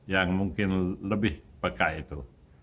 yang mungkin lebih peka itu